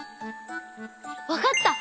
わかった！